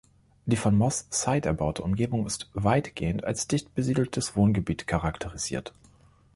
Die von Moss Side erbaute Umgebung ist weitgehend als dicht besiedeltes Wohngebiet charakterisiert.